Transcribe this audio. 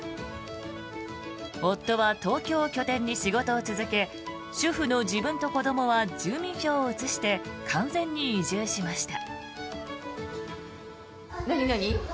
夫は東京を拠点に仕事を続け主婦の自分と子どもは住民票を移して完全に移住しました。